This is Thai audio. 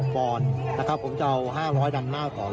๕๙๖ปอนด์นะครับผมจะเอา๕๐๐ดำหน้าวก่อนเลย